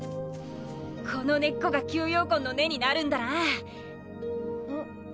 この根っこが吸妖魂の根になるんだなん？